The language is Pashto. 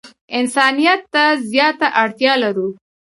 انسانیت ته زیاته اړتیا لرو.